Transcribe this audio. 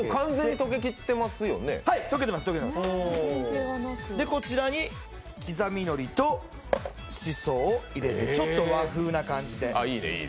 溶けてます、こちらにきざみのりとしそを入れて、ちょっと和風な感じで。